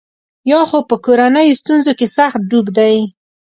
یا خو په کورنیو ستونزو کې سخت ډوب دی.